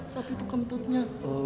tapi itu kentutnya